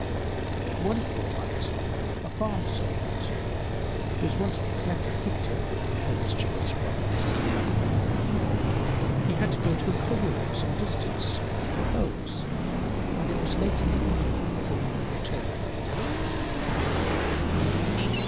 One poor wight, a farm–servant, was once the selected victim of her mischievous frolics. He had to go to a colliery at some distance for coals, and it was late in the evening before he could return.